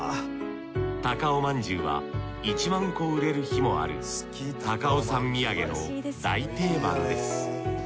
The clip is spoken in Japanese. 高尾まんじゅうは１万個売れる日もある高尾山土産の大定番です。